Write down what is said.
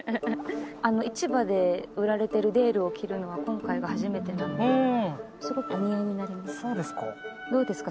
市場で売られてるデールを着るのは今回が初めてなのですごくお似合いになりますそうですかどうですか？